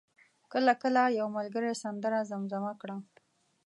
کله کله یو ملګری سندره زمزمه کړه.